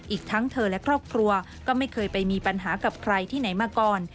อีกทั้งเธอและครอบครัวก็ไม่เคยไปมีปัญหากับใครที่ไหนมาก่อน